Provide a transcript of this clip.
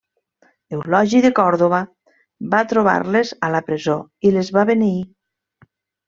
Eulogi de Còrdova va trobar-les a la presó i les va beneir.